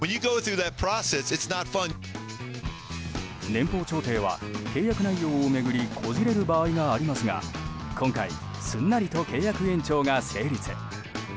年俸調停は契約内容を巡りこじれる場合がありますが今回、すんなりと契約延長が成立。